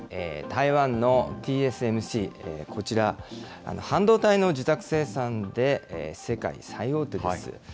台湾のＴＳＭＣ、こちら、半導体の受託生産で世界最大手です。